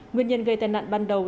nguyên nhân gây tai nạn ban đầu